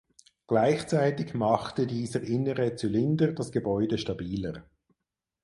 Gleichzeitig machte dieser innere Zylinder das Gebäude stabiler.